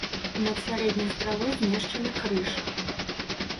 Над сярэдняй стралой змешчаны крыж.